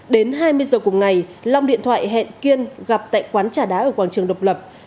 đến hai mươi giờ cùng ngày long điện thoại hẹn kiên gặp tại quán trà đá ở quảng trường độc lập